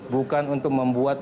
bukan untuk membuat